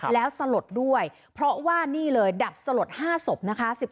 แล้วสลดด้วยเพราะว่านี่เลยดับสลด๕ศพนะคะ